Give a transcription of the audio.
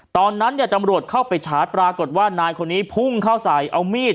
ตอนนั้นเนี่ยตำรวจเข้าไปชาร์จปรากฏว่านายคนนี้พุ่งเข้าใส่เอามีด